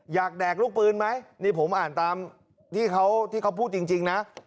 อยากแดกลูกปื้นไหมนี่ผมอ่านตามที่เขาพูดจริงนะ